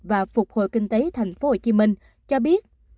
và phục hồi kinh tế tp hcm cho biết